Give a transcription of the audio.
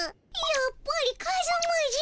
やっぱりカズマじゃ。